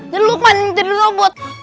dari lukman dari robot